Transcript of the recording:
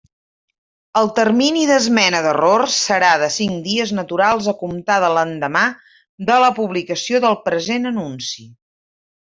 El termini d'esmena d'errors serà de cinc dies naturals a comptar de l'endemà de la publicació del present anunci.